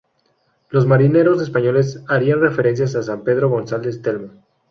Los marineros españoles harían referencia a San Pedro González Telmo.